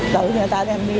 tự người ta đem đi